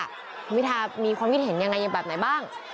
คุณพิทามีความคิดเห็นยังไงอย่างแบบไหนบ้าง